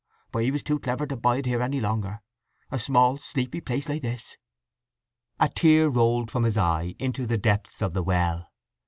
But he was too clever to bide here any longer—a small sleepy place like this!" A tear rolled from his eye into the depths of the well.